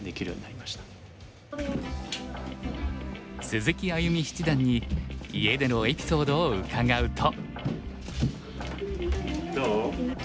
鈴木歩七段に家でのエピソードを伺うと。